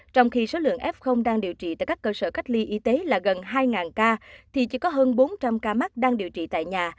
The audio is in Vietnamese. trong khi số lượng f đang điều trị tại các cơ sở cách ly y tế là gần hai ca thì chỉ có hơn bốn trăm linh ca mắc đang điều trị tại nhà